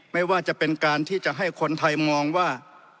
ไม่ว่าจะเป็นการที่จะให้คนไทยมองว่า